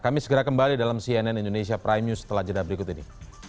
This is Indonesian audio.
kami segera kembali dalam cnn indonesia prime news setelah jeda berikut ini